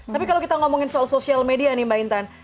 tapi kalau kita ngomongin soal sosial media nih mbak intan